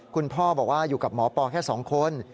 คุณพ่อบอกว่าอยู่กับหมอปอแค่๒คน